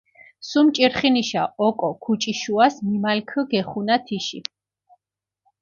სუმ ჭირხინიშა ოკო ქუჭიშუას მიმალქჷ გეხუნა თიში.